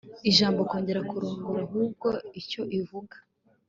ijambo kongera kurongora, ahubwo icyo ivuga